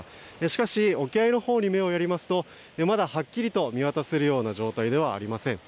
しかし、沖合のほうに目をやりますとまだはっきりと見渡せるような状態ではありません。